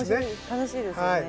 楽しいですね。